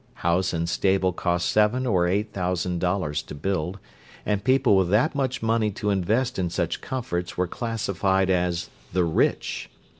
House and stable cost seven or eight thousand dollars to build, and people with that much money to invest in such comforts were classified as the Rich.